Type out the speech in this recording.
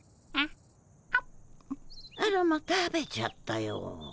あらま食べちゃったよ。